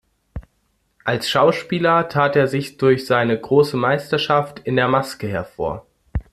Als Schauspieler tat er sich durch seine große Meisterschaft in der Maske hervor.